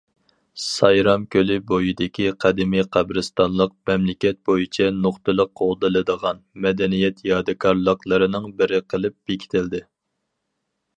سايرام كۆلى بويىدىكى قەدىمىي قەبرىستانلىق مەملىكەت بويىچە نۇقتىلىق قوغدىلىدىغان مەدەنىيەت يادىكارلىقلىرىنىڭ بىرى قىلىپ بېكىتىلدى.